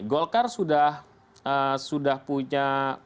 golkar sudah punya